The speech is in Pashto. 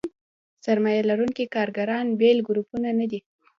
سرمایه لرونکي کارګران بېل ګروپونه نه دي.